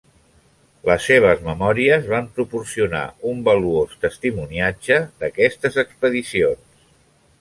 Les seves memòries van proporcionar un valuós testimoniatge d'aquestes expedicions.